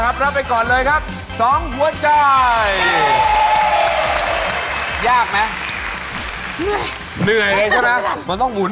เหม็นตัวหมาด้วยเหม็นตัวหมา